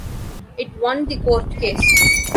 It won the court case.